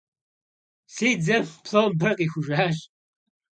Si dzem plomber khixujjaş.